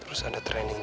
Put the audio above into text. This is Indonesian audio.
terus ada pembahasan juga